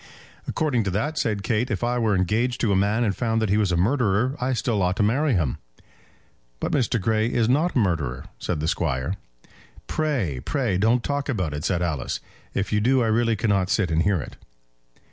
"According to that," said Kate, "if I were engaged to a man, and found that he was a murderer, I still ought to marry him." "But Mr. Grey is not a murderer," said the Squire. "Pray, pray, don't talk about it," said Alice. "If you do I really cannot sit and hear it."